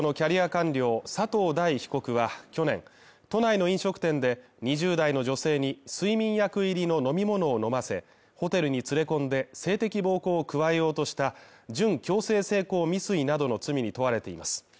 官僚佐藤大被告は去年都内の飲食店で２０代の女性に睡眠薬入りの飲み物を飲ませ、ホテルに連れ込んで性的暴行を加えようとした準強制性交未遂などの罪に問われています。